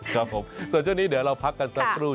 ครับผมส่วนช่วงนี้เดี๋ยวเราพักกันสักครู่